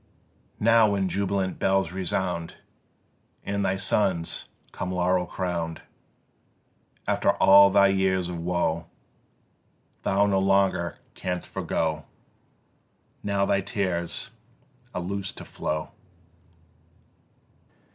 Now when jubilant bells resound And thy sons come laurel crown'd, After all thy years of woe Thou no longer canst forgo, Now thy tears are loos'd to flow.